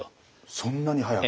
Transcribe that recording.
そんなに速く。